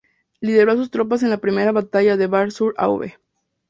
Lideró a su tropas en la Primera Batalla de Bar-sur-Aube.